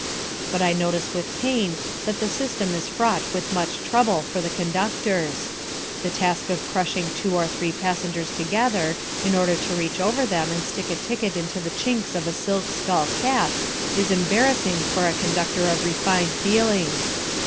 But I notice with pain that the system is fraught with much trouble for the conductors. The task of crushing two or three passengers together, in order to reach over them and stick a ticket into the chinks of a silk skull cap is embarrassing for a conductor of refined feelings.